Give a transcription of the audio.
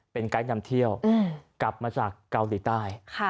เป็นไกด์นำเที่ยวกลับมาจากเกาหลีใต้